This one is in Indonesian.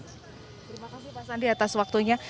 terima kasih pak sandi atas waktunya